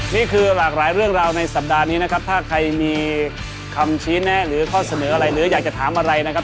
นี่คือหลากหลายเรื่องราวในสัปดาห์นี้นะครับถ้าใครมีคำชี้แนะหรือข้อเสนออะไรหรืออยากจะถามอะไรนะครับ